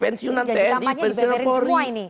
pensiunan tni pensiunan polri